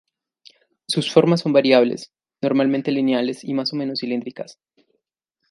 Sus formas son variables, normalmente lineales y más o menos cilíndricas.